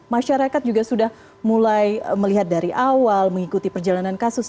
masyarakat juga sudah mulai melihat dari awal mengikuti perjalanan kasus